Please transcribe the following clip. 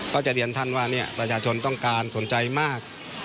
ก็จะเรียนท่านว่าประชาชนต้องการสนใจมาก